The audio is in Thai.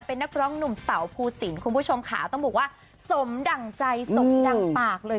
เป็นนักร้องหนุ่มเต๋าภูสินคุณผู้ชมค่ะต้องบอกว่าสมดั่งใจสมดั่งปากเลย